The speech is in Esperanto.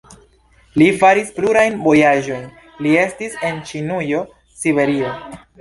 Li faris plurajn vojaĝojn, li estis en Ĉinujo, Siberio.